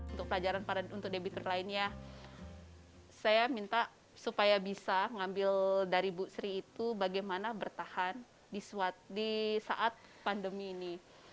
untuk pelajaran untuk debitur lainnya saya minta supaya bisa ngambil dari bu sri itu bagaimana bertahan di saat pandemi ini